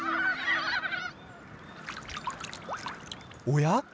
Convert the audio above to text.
おや？